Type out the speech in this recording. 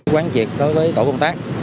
quán triệt tới với tổ công tác